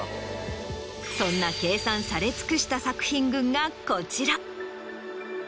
そんな計算され尽くした作品群がこちら。